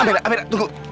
amira amira tunggu